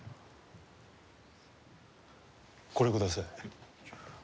これください。